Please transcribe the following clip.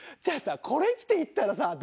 じゃあさこれ着て行ったらさ